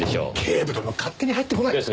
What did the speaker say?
警部殿勝手に入ってこないで。